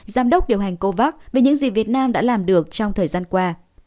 giám đốc điều hành covax về những gì việt nam đã làm được trong thời gian qua